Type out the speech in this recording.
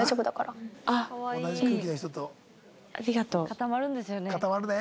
固まるんですよね。